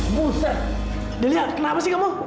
buset delia kenapa sih kamu